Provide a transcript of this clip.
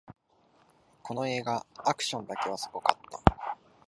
この映画、アクションだけはすごかった